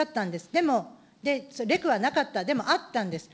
でも、レクはなかった、でもあったんです。